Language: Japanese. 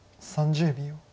３０秒。